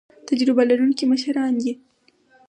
تجربه لرونکي مشران دي